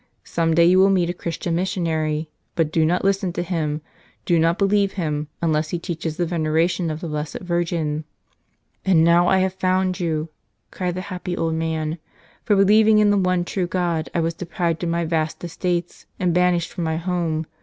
Some day you will meet a Christian mis¬ sionary. But do not listen to him, do not believe him, unless he teaches the veneration of the Blessed Virgin." "And now I have found you!" cried the happy old man. "For believing in the one true God I was de¬ prived of my vast estates and banished from my home.